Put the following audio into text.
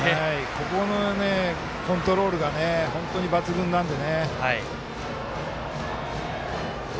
ここのコントロールが本当に抜群なんで。